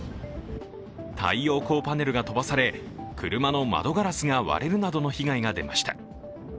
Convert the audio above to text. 太陽光パネルが飛ばされ、車の窓ガラスが割れるなどの被害が出ました。